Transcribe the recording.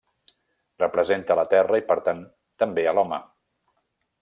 Representa la Terra i per tant també a l'home.